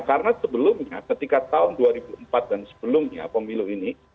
karena sebelumnya ketika tahun dua ribu empat dan sebelumnya pemilu ini